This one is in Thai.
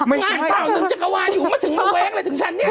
อ่างนึงหนึ่งจักรหวานอยู่ไม่ถึงเอาแวกเฉ้ามาถึงชั้นนี่